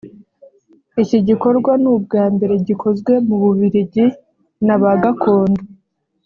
Iki gikorwa ni ubwa mbere gikozwe mu Bubiligi n’Abagakondo